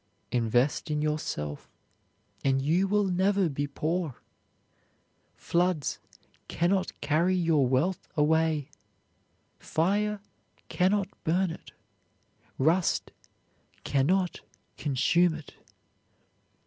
Invest in yourself, and you will never be poor. Floods can not carry your wealth away, fire can not burn it, rust can not consume it.